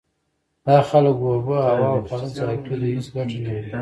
دا خلک اوبه، هوا او خواړه ضایع کوي. دوی هیڅ ګټه نلري.